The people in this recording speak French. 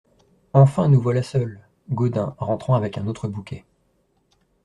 Enfin, nous voilà seuls !…" Gaudin , rentrant avec un autre bouquet.